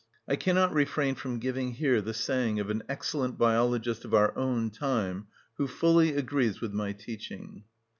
I cannot refrain from giving here the saying of an excellent biologist of our own time who fully agrees with my teaching.